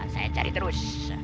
saya cari terus